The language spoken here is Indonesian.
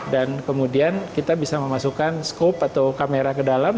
dan kemudian kita bisa memasukkan skop atau kamera ke dalam